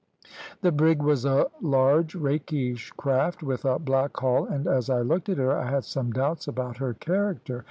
"The brig was a large, rakish craft, with a black hull, and as I looked at her I had some doubts about her character.